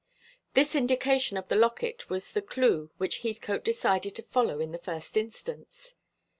This indication of the locket was the clue which Heathcote decided to follow in the first instance.